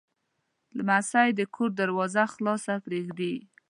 لمسی د کور دروازه خلاصه پرېږدي.